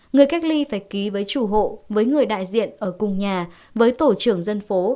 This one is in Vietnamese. người cách ly phải ký với chủ hộ với người đại diện ở cùng nhà với tổ trưởng dân phố